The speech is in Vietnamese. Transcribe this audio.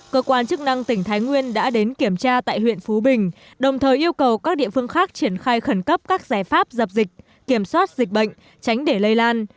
cơ quan chức năng tỉnh thái nguyên đã đến kiểm tra tại huyện phú bình đồng thời yêu cầu các địa phương khác triển khai khẩn cấp các giải pháp dập dịch kiểm soát dịch bệnh tránh để lây lan